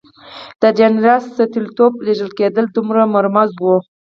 د جنرال ستولیتوف لېږل کېدل دومره مرموز وو.